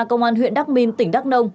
công an huyện đắk minh tỉnh đắk nông